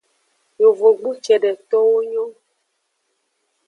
Yovogbu ce:detowo nyon.